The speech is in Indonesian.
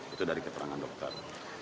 itu dari keterangan dokter